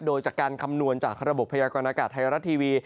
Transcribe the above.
โดยจากการคำนวณจากระบบพยากรณากาศไทยรัฐทีวี